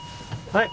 はい。